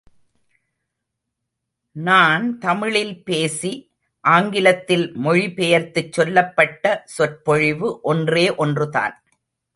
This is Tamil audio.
நான் தமிழில் பேசி ஆங்கிலத்தில் மொழி பெயர்த்துச் சொல்லப்பட்ட சொற்பொழிவு ஒன்றே ஒன்றுதான்.